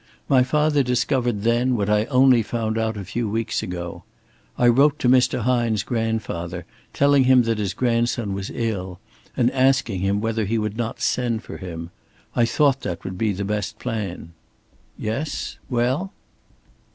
My father discovered then what I only found out a few weeks ago. I wrote to Mr. Hine's grandfather, telling him that his grandson was ill, and asking him whether he would not send for him. I thought that would be the best plan." "Yes, well?"